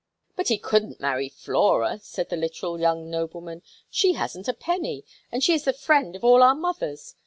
"But he couldn't marry Flora," said the literal young nobleman. "She hasn't a penny, and is the friend of all our mothers.